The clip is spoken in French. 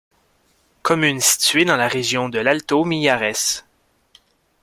Commune située dans la région de l'Alto Mijares.